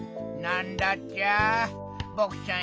なんだっちゃ？